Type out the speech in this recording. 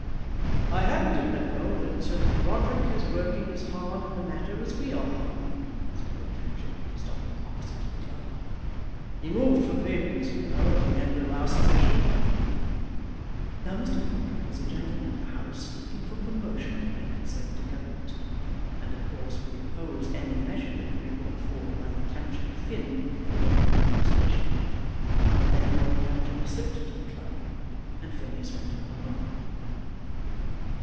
"I happen to know that Broderick is working as hard at the matter as we are," said Lord Cantrip, stopping opposite to the club. "He moved for papers, you know, at the end of last session." Now Mr. Broderick was a gentleman in the House looking for promotion in a Conservative Government, and of course would oppose any measure that could be brought forward by the Cantrip Finn Colonial Administration. Then Lord Cantrip slipped into the club, and Phineas went on alone.